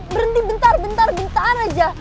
berhenti bentar bentar gentar aja